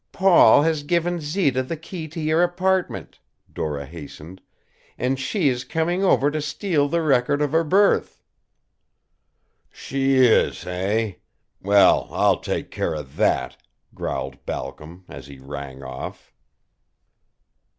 "Paul has given Zita the key to your apartment," Dora hastened, "and she is coming over to steal the record of her birth." "She is eh? Well, I'll take care of that," growled Balcom, as he rang off.